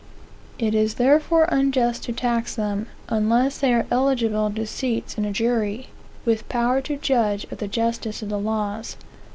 It is therefore unjust to tax them, unless they are eligible to seats in a jury, with power to judge of the justice of the laws.